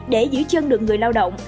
để giữ chân được người lao động